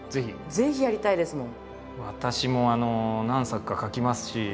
ぜひやりたいですもん。